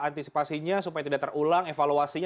antisipasinya supaya tidak terulang evaluasinya